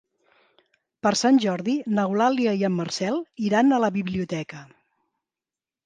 Per Sant Jordi n'Eulàlia i en Marcel iran a la biblioteca.